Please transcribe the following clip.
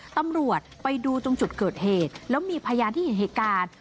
ตำรวจไปดูตรงจุดเกิดเหตุแล้วมีพยานที่เห็นเหตุการณ์